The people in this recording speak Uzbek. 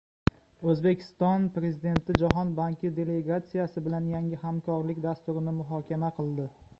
O‘zbekiston Prezidenti Jahon banki delegatsiyasi bilan yangi hamkorlik dasturini muhokama qildi